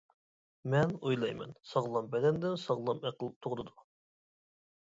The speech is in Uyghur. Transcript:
مەن ئويلايمەن :ساغلام بەدەندىن ساغلام ئەقىل تۇغۇلىدۇ.